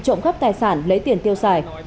trộm khắp tài sản lấy tiền tiêu xài